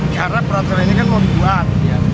karena peraturan ini kan mau dibuat